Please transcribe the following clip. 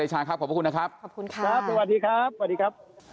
วันจันทร์ร้านนี่ครับกรับให้ต่อครับ